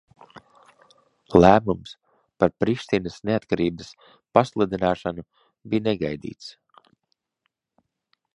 Lēmums par Prištinas neatkarības pasludināšanu nebija negaidīts.